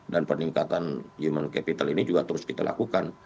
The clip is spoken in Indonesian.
dan peningkatan human capital ini juga terus kita lakukan